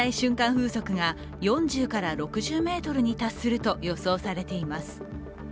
風速が４０６０メートルに達すると予想されています。